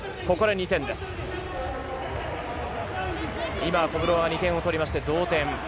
今、コブロワ２点を取りまして同点。